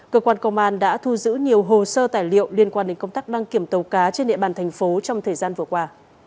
cơ quan công an đã thu giữ nhiều hồ sơ tài liệu liên quan đến công tác đăng kiểm tàu cá trên địa bàn thành phố trong thời gian vừa qua